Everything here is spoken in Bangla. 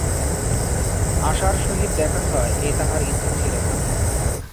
আশার সহিত দেখা হয়, এ তাহার ইচ্ছা ছিল না।